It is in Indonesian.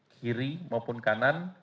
kiri maupun kanan